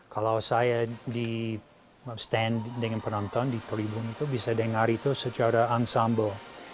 kalau saya di stand dengan penonton di tolibung itu bisa dengar itu secara unsumble